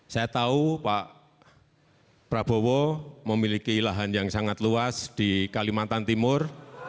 saya tahu pak prabowo memiliki lahan yang sangat luas di kalimantan timur